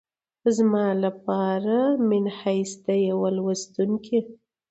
زما لپاره منحیث د یوه لوستونکي